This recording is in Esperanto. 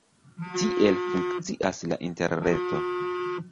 Tiel funkcias la interreto.